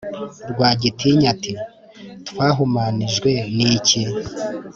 rwagitinya ati"twahumanijwe niki?"